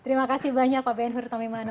terima kasih banyak pak ben hur tommy mano